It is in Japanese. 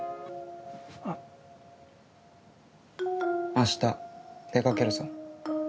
明日出かけるぞ。